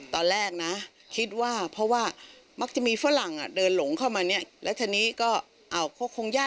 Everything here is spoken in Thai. ตอนแรกนะคิดว่าเพราะว่ามักจะมีฝรั่งอ่ะ